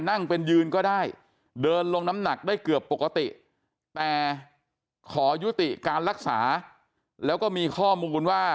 นั่งเป็นยืนก็ได้เดินลงน้ำหนักได้เกือบปกติแต่ขอยุติการรักษาแล้วก็มีข้อมูลว่า